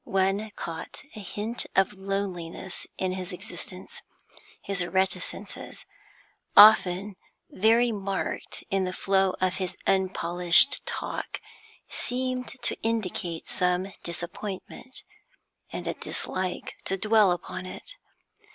One caught a hint of loneliness in his existence; his reticences, often very marked in the flow of his unpolished talk, seemed to indicate some disappointment, and a dislike to dwell upon it.